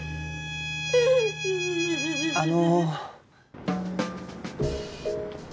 あの。